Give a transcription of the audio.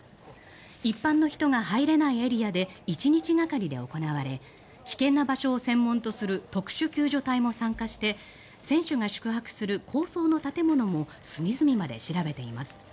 一般の人が入れないエリアで１日がかりで行われ危険な場所を専門とする特殊救助隊も参加して選手が宿泊する高層の建物も隅々まで調べています。